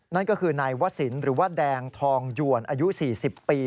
นั่นก็คือนายวศิลป์หรือว่าแดงทองหยวนอายุ๔๐ปี